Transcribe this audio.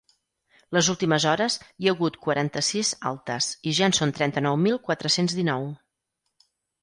Les últimes hores hi ha hagut quaranta-sis altes i ja en són trenta-nou mil quatre-cents dinou.